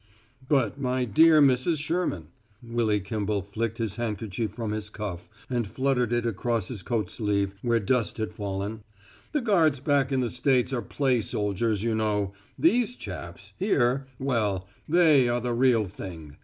"But, my dear Mrs. Sherman" Willy Kimball flicked his handkerchief from his cuff and fluttered it across his coat sleeve, where dust had fallen "the guards back in the States are play soldiers, you know; these chaps, here well, they are the real thing.